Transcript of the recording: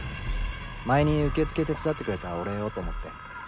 前に受付手伝ってくれたお礼をと思って。